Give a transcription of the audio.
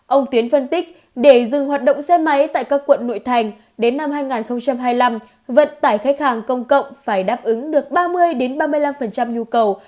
ông tiến phân tích để dừng hoạt động xe máy tại các quận nội thành đến năm hai nghìn hai mươi năm vận tải khách hàng công cộng phải đáp ứng được ba mươi ba mươi năm nhu cầu